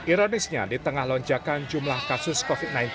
ironisnya di tengah lonjakan jumlah kasus covid sembilan belas